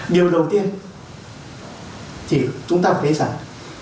điều đầu tiên thì chúng ta phải thấy rằng